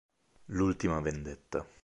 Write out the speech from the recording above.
L'ultima vendetta